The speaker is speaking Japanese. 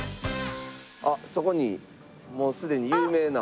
あっそこにもうすでに有名な。